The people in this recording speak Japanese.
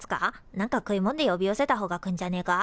なんか食いもんで呼び寄せたほうが来んじゃねえか？